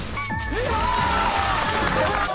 うわ！